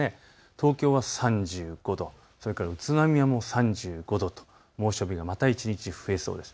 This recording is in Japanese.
東京は３５度、宇都宮も３５度と猛暑日がまた１日増えそうです。